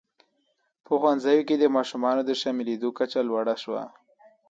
په ښوونځیو کې د ماشومانو د شاملېدو کچه لوړه شوه.